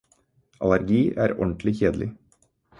Allergi er ordentlig kjedelig.